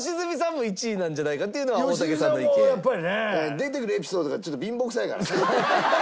出てくるエピソードがちょっと貧乏くさいからね。